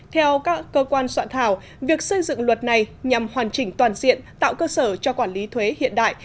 theo các cơ quan soạn thảo việc xây dựng luật này nhằm hoàn chỉnh toàn diện tạo cơ sở cho quản lý thuế hiện đại